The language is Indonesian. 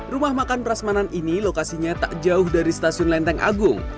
rumah makan prasmanan ini lokasinya tak jauh dari stasiun lenteng agung